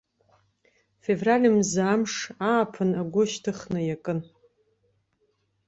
Февральмза амш, ааԥын агәы шьҭыхны иакын.